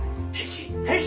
変身？